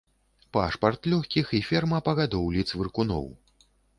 Пашпарт лёгкіх і ферма па гадоўлі цвыркуноў.